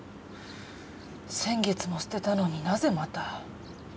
先月も捨てたのになぜまた？